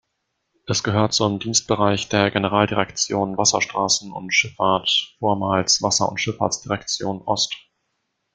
Es gehört zum Dienstbereich der Generaldirektion Wasserstraßen und Schifffahrt, vormals Wasser- und Schifffahrtsdirektion Ost.